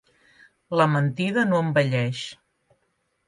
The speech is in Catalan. La mentida no envelleix.